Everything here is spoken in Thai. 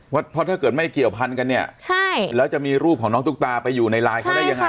เพราะถ้าเกิดไม่เกี่ยวพันกันเนี่ยใช่แล้วจะมีรูปของน้องตุ๊กตาไปอยู่ในไลน์เขาได้ยังไง